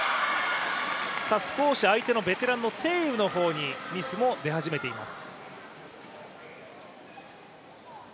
少し相手のベテランの鄭雨の方にミスも出始めています。